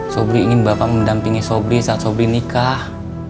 sobri ingin bapak mendampingi sobri saat sobri nikah